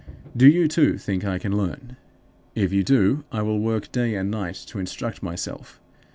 "Do you, too, think I can learn? If you do, I will work day and night to instruct myself.